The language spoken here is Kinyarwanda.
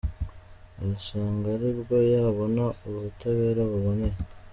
Arasanga ari bwo yabona ubutabera buboneye.